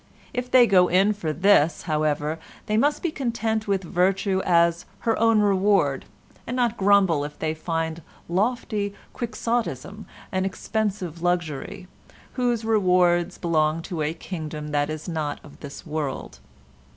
If they go in for this, however, they must be content with virtue as her own reward, and not grumble if they find lofty Quixotism an expensive luxury, whose rewards belong to a kingdom that is not of this world.